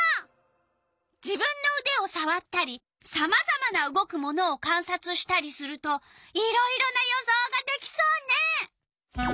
自分のうでをさわったりさまざまな動くものをかんさつしたりするといろいろな予想ができそうね。